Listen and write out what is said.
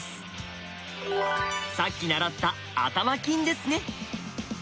さっき習った頭金ですね。